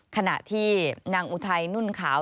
ขณะที่นางอุทัยนุ่นขาว